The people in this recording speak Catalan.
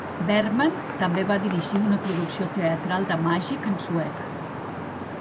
Bergman també va dirigir una producció teatral de "Magic" en suec.